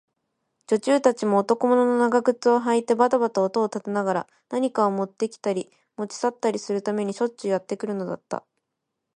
女中たちも、男物の長靴をはいてばたばた音を立てながら、何かをもってきたり、もち去ったりするためにしょっちゅうやってくるのだった。